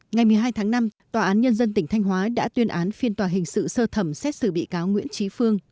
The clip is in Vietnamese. ngày một mươi hai tháng năm tòa án nhân dân tỉnh thanh hóa đã tuyên án phiên tòa hình sự sơ thẩm xét xử bị cáo nguyễn trí phương